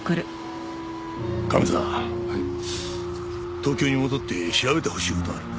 東京に戻って調べてほしい事があるんだ。